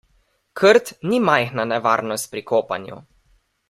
Krt ni majhna nevarnost pri kopanju.